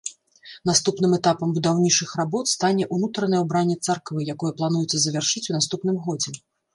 Наступным этапам будаўнічых работ стане ўнутранае ўбранне царквы, якое плануецца завяршыць у наступным годзе.